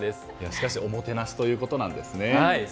おもてなしということなんですね。